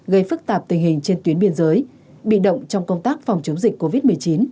gây phức tạp tình hình trên tuyến biên giới bị động trong công tác phòng chống dịch covid một mươi chín